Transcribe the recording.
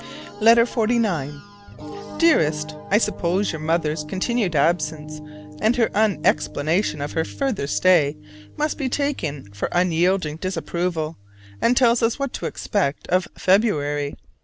LETTER XLIX. Dearest: I suppose your mother's continued absence, and her unexplanation of her further stay, must be taken for unyielding disapproval, and tells us what to expect of February.